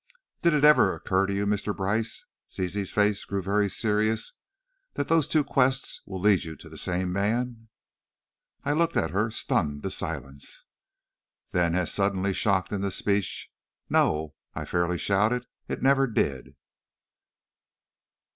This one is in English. "Did it ever occur to you, Mr. Brice," Zizi's face grew very serious, "that those two quests will lead you to the same man?" I looked at her, stunned to silence. Then, as suddenly shocked into speech, "No!" I fairly shouted, "it never did!"